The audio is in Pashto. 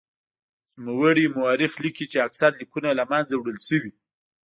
نوموړی مورخ لیکي چې اکثر لیکونه له منځه وړل شوي.